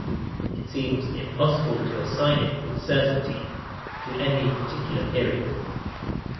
It seems impossible to assign it with certainty to any particular period.